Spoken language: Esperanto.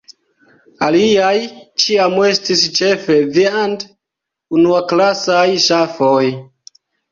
Aliaj ĉiam estis ĉefe viand-unuaklasaj ŝafoj.